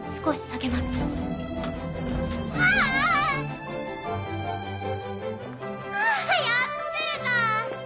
あぁやっと出れた。